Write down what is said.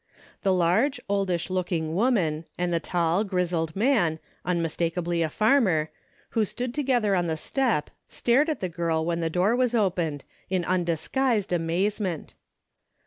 The large oldish looking woman, and the tall, grizzled man, unmistakably a farmer, who stood together on the step stared at the girl when the, door was opened, in undisguised amazement.